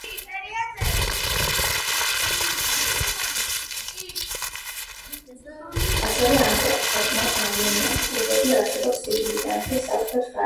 მგელმა ჩლიქთან ლურსმნის ამოსაღებად პირი მიიტანა, მაგრამ ვირმა წიხლი ჰკრა და კბილები სულ ჩაუმტვრია